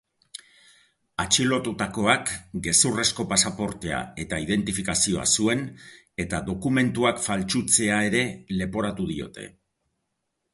Atxilotutakoak gezurrezko pasaportea eta identifikazioa zuen eta dokumentuak faltsutzea ere leporatu diote.